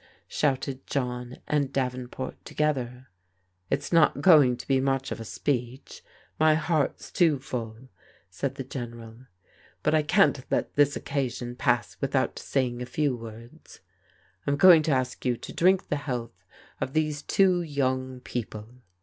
shouted John and Davenport together. " It's not going to be much of a speech : my heart's too full," said the General :" but I can't let this occasion pass without saying a few words. I'm going to ask you to drink the health of these two young people.